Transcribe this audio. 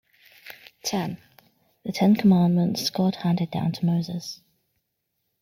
Ten: the Ten Commandments God handed down to Moses.